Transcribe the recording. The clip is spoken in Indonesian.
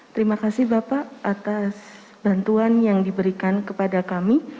terima kasih bapak atas bantuan yang diberikan kepada kami